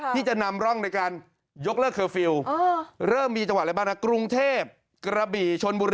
ที่จะนำร่องในการยกเลิกเคอร์ฟิล